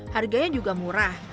harganya juga murah